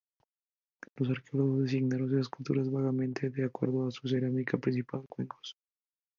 Los Arqueólogos designaron estas culturas vagamente de acuerdo a su cerámica, principalmente cuencos.